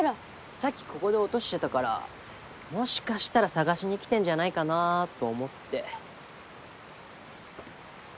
さっきここで落としてたからもしかしたら探しに来てんじゃないかなぁと思って。